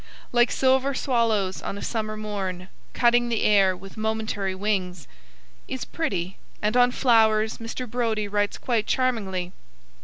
Like silver swallows on a summer morn Cutting the air with momentary wings, is pretty, and on flowers Mr. Brodie writes quite charmingly.